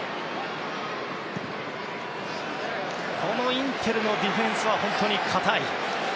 インテルのディフェンスは本当に堅い。